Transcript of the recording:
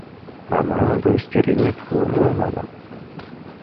— Раман, удостоверениет уло мо? — манам.